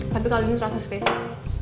tapi kali ini terasa special